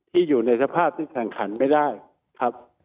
อยู่ในสภาพที่แข่งขันไม่ได้ครับ